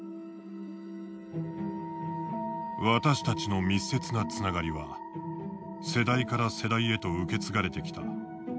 「私たちの密接なつながりは世代から世代へと受け継がれてきた。